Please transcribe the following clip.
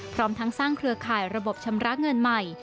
พร้อมทั้งสร้างเครือข่ายระบบชำระเงินใหม่